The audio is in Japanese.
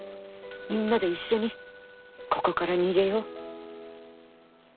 みんなで一緒にここから逃げよう。